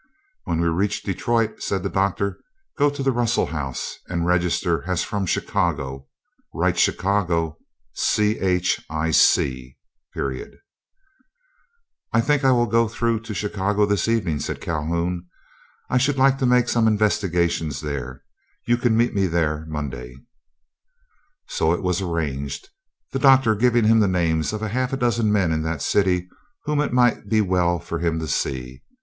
"When we reach Detroit," said the Doctor, "go to the Russell House, and register as from Chicago. Write Chicago 'Chic.' " "I think I will go through to Chicago this evening," said Calhoun; "I should like to make some investigations there; you can meet me there Monday." So it was arranged, the Doctor giving him the names of half a dozen men in that city whom it might be well for him to see.